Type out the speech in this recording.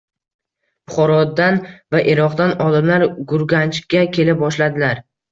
Buxorodan va Iroqdan olimlar Gurganchga kela boshladilar